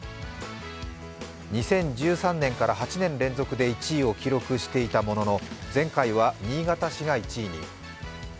２０１３年から８年連続で１位を記録していたものの前回は新潟市が１位に。